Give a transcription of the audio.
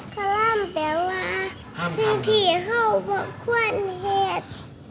คลำแปลว่าสิ่งที่เห่าบอกควรเห็ด